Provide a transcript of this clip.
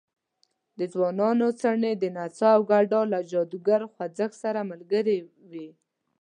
د ځوانانو څڼې د نڅا او ګډا له جادوګر خوځښت سره ملګرې وې.